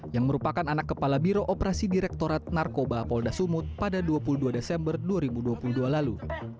yang merupakan anak kepala biro operasi direktorat narkoba polda sumut pada dua puluh dua desember dua ribu dua puluh dua lalu